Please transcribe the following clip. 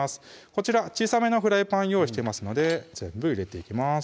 こちら小さめのフライパン用意してますので全部入れていきます